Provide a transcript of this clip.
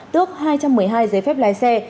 tước hai trăm một mươi hai giấy phép lái xe